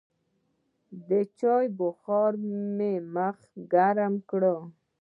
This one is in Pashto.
د چايو بخار مې مخ ګرم کړ.